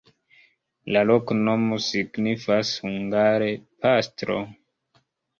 La loknomo signifas hungare: pastro.